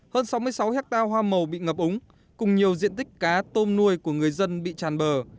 hơn sáu mươi sáu hectare hoa màu bị ngập úng cùng nhiều diện tích cá tôm nuôi của người dân bị tràn bờ